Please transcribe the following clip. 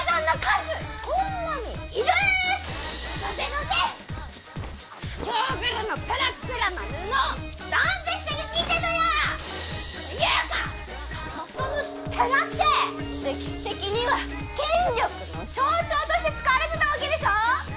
ていうかそもそも寺って歴史的には権力の象徴として使われてたわけでしょ！